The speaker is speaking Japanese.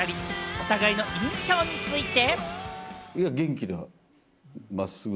お互いの印象について。